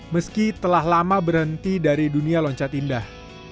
meski telah lama berhenti dari dunia loncat indah